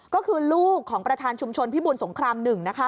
ก็คือลูกของประธานชุมชนพี่บุญสงครามหนึ่ง